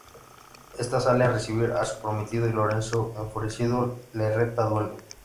Ésta sale a recibir a su prometido y Lorenzo, enfurecido, le reta a duelo.